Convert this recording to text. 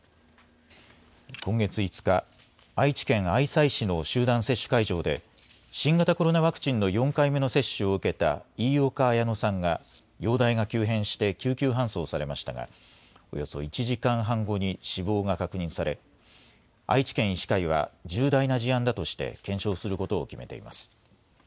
今月５日、愛知県愛西市の集団接種会場で、新型コロナワクチンの４回目の接種を受けた飯岡綾乃さんが、容体が急変して救急搬送されましたが、およそ１時間半後に死亡が確認され、愛知県医師会は重大な事案だとして、検証することを決めています。